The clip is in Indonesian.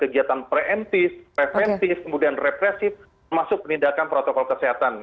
dan kita harus melaksanakan kegiatan pre emptive preventive kemudian repressive masuk penindakan protokol kesehatan